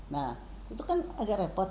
nah itu kan agak repot